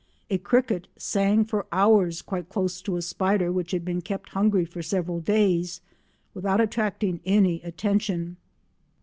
A cricket sang for hours quite close to a spider which had been kept hungry for several days, without attracting any attention.